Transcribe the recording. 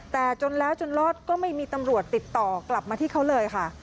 แต่จนแล้วจนรอดก็ไม่มีตำรวจติดต่อกลับมาที่เขาเลยค่ะ